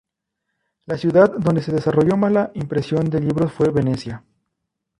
La ciudad donde se desarrolló más la impresión de libros fue Venecia.